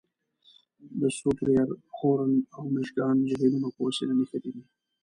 د سوپریر، هورن او میشګان جهیلونه په وسیله نښتي دي.